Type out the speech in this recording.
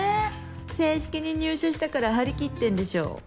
正式に入社したから張り切ってんでしょ？